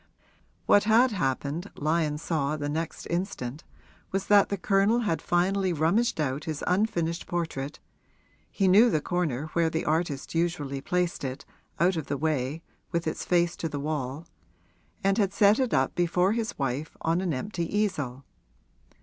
What had happened, Lyon saw the next instant, was that the Colonel had finally rummaged out his unfinished portrait (he knew the corner where the artist usually placed it, out of the way, with its face to the wall) and had set it up before his wife on an empty easel.